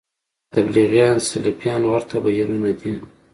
تبلیغیان سلفیان ورته بهیرونه دي